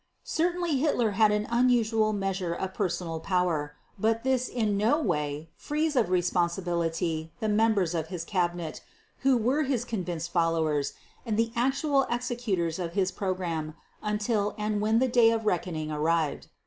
Certainly Hitler had an unusual measure of personal power but this in no way frees of responsibility the members of his Cabinet who were his convinced followers and the actual executors of his program until and when the day of reckoning arrived.